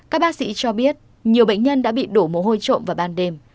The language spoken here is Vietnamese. các bác sĩ cho biết nhiều bệnh nhân đã bị đổ mồ hôi trộm vào ban đêm